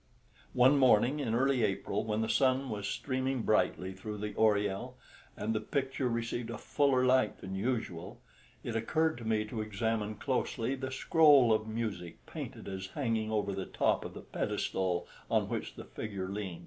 One morning in early April, when the sun was streaming brightly through the oriel, and the picture received a fuller light than usual, it occurred to me to examine closely the scroll of music painted as hanging over the top of the pedestal on which the figure leant.